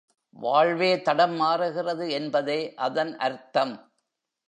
வாழ்வே தடம் மாறுகிறது என்பதே அதன் அர்த்தம்.